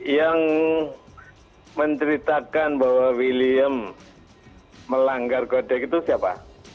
yang menceritakan bahwa william melanggar kode itu siapa